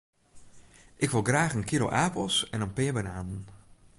Ik wol graach in kilo apels en in pear bananen.